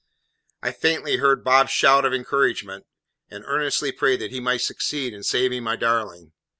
I faintly heard Bob's shout of encouragement, and earnestly prayed that he might succeed in saving my darling.